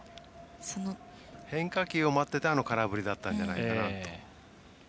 変化球を待っていて、あの空振りだったんじゃないかなと。